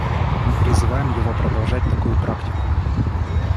Мы призываем его продолжать такую практику.